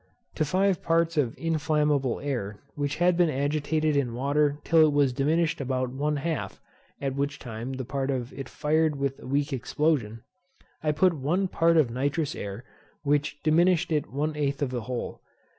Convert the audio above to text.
To five parts of inflammable air, which had been agitated in water till it was diminished about one half (at which time part of it fired with a weak explosion) I put one part of nitrous air, which diminished it one eighth of the whole.